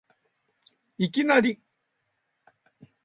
いきなり